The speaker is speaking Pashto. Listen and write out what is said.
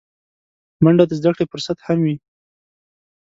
منډه د زدهکړې فرصت هم وي